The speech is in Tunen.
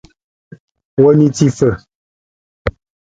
Bá ndʼ emɔtʼ ɛ́ta mondo ná bɛndo somi mɛkɔ náfam, yé sɛ yʼ ímuinyi.